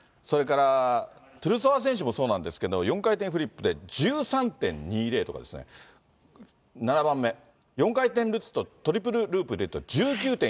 それからトゥルソワ選手もそうなんですけど、４回転フリップで１３．２０とかですね、７番目、４回転ルッツとトリプルループ出ると、１９．９０。